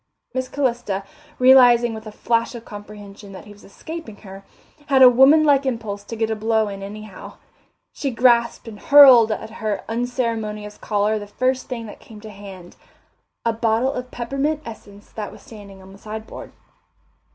Miss Calista, realizing with a flash of comprehension that he was escaping her, had a woman like impulse to get a blow in anyhow; she grasped and hurled at her unceremonious caller the first thing that came to hand a bottle of peppermint essence that was standing on the sideboard.